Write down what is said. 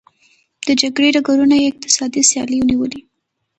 د جګړې ډګرونه یې اقتصادي سیالیو نیولي.